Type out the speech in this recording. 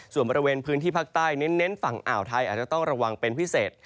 ส่วนบริเวณพื้นที่ภาคใต้เน้นฝั่งอ่าวไทยอาจจะต้องระวังเป็นพิเศษ